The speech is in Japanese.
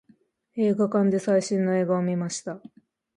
映画館で最新の映画を見ました。